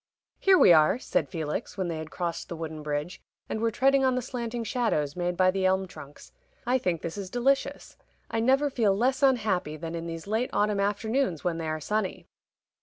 "Here we are!" said Felix, when they had crossed the wooden bridge, and were treading on the slanting shadows made by the elm trunks. "I think this is delicious. I never feel less unhappy than in these late autumn afternoons when they are sunny."